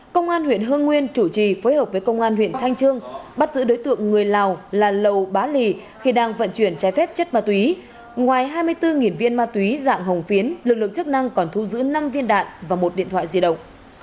công an huyện hương nguyên chủ trì phối hợp với công an huyện thanh trương bắt giữ đối tượng người lào là lầu bá lì khi đang vận chuyển trái phép chất ma túy ngoài hai mươi bốn viên ma túy dạng hồng phiến lực lượng chức năng còn thu giữ năm viên đạn và một điện thoại di động